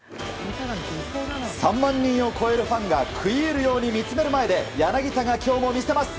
３万人を超えるファンが食い入るように見つめる前で柳田が今日も見せます。